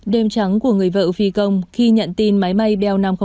đêm trắng của người vợ phi công khi nhận tin máy bay bell năm trăm linh năm rơi